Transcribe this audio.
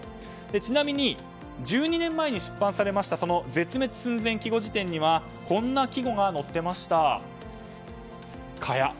ちなみに、１２年前に出版されたその「絶滅寸前季語辞典」にはこんな季語が載っていました。